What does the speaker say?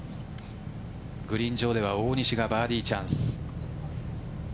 グリーン上では大西がバーディーチャンス。